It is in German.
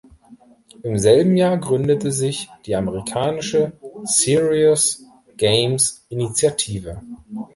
Im selben Jahr gründete sich die amerikanische Serious Games Initiative.